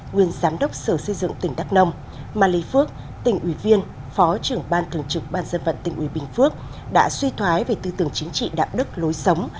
nguyên giám đốc sở xây dựng tỉnh đắk nông mà lê phước tỉnh ủy viên phó trưởng ban thường trực ban dân vận tỉnh ủy bình phước đã suy thoái về tư tưởng chính trị đạo đức lối sống